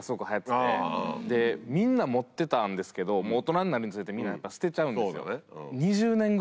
でみんな持ってたんですけどもう大人になるにつれてみんなやっぱ捨てちゃうんですよ。